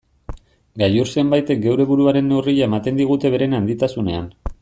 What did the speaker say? Gailur zenbaitek geure buruaren neurria ematen digute beren handitasunean.